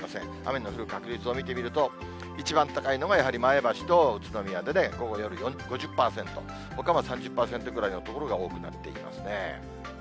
雨の降る確率を見てみると、一番高いのがやはり前橋と宇都宮でね、午後、夜、５０％、ほか３０％ぐらいの所が多くなっていますね。